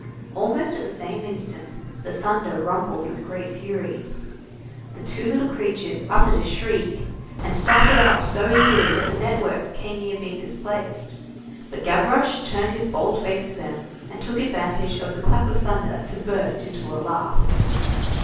Almost at the same instant, the thunder rumbled with great fury. The two little creatures uttered a shriek, and started up so eagerly that the network came near being displaced, but Gavroche turned his bold face to them, and took advantage of the clap of thunder to burst into a laugh.